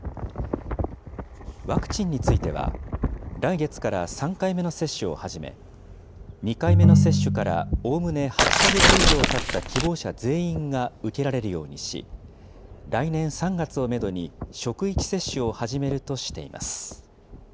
ワクチンについては、来月から３回目の接種を始め、２回目の接種からおおむね８か月以上たった希望者全員が受けられるようにし、来年３月をメドに、職域接種を始めるとしています。